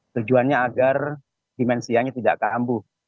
tujuannya agar dimensianya tidak kambuh